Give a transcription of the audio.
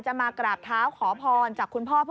มากราบเท้าขอพรจากคุณพ่อ